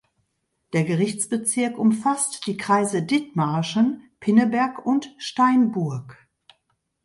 Der Gerichtsbezirk umfasst die Kreise Dithmarschen, Pinneberg und Steinburg.